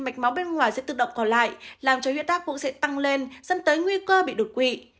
mạch máu bên ngoài sẽ tự động còn lại làm cho huyết áp cũng sẽ tăng lên dẫn tới nguy cơ bị đột quỵ